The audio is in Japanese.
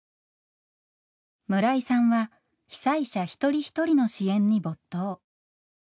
村井さんは被災者一人一人の支援に没頭。